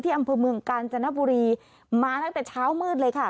อำเภอเมืองกาญจนบุรีมาตั้งแต่เช้ามืดเลยค่ะ